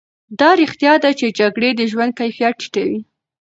دا رښتیا ده چې جګړې د ژوند کیفیت ټیټوي.